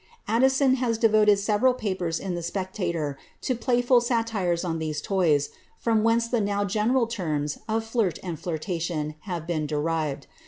Addison has devoted several papers in the Spectator to playful satire on these toys, from whence the now general terms of flirt and flirtation have been derived.